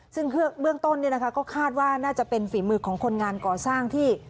ซึ่งเบื้องต้นก็คาดว่าน่าจะเป็นฝีมือของคนงานก่อสร้างที่